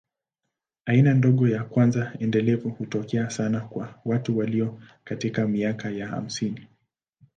Aina ndogo ya kwanza endelevu hutokea sana kwa watu walio katika miaka ya hamsini.